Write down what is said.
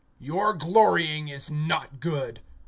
(6)Your glorying is not good.